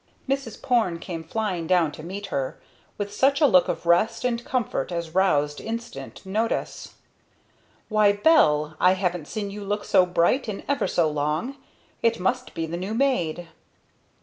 Mrs. Porne came flying down to meet her, with such a look of rest and comfort as roused instant notice. "Why, Belle! I haven't seen you look so bright in ever so long. It must be the new maid!"